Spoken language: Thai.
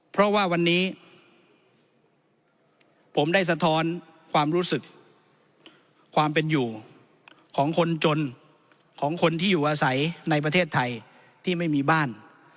เพราะว่าวันนี้ผมได้สะท้อนความรู้สึกความเป็นอยู่ของคนจนของคนที่อยู่อาศัยในประเทศไทยที่ไม่มีบ้าน